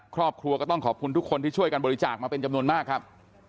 ครอบครัวก็ต้องขอบคุณทุกคนที่ช่วยกันบริจาคมาเป็นจำนวนมากครับ